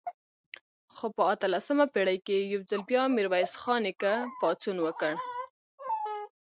خو په اتلسمه پېړۍ کې یو ځل بیا میرویس خان نیکه پاڅون وکړ.